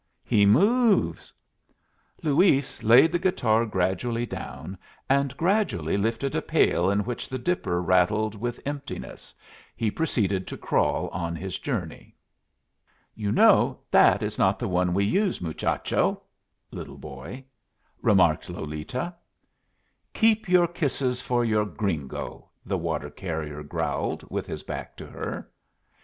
he moves!" Luis laid the guitar gradually down, and gradually lifting a pail in which the dipper rattled with emptiness, he proceeded to crawl on his journey. "You know that is not the one we use, muchacho," (little boy), remarked Lolita. "Keep your kisses for your gringo," the water carrier growled, with his back to her.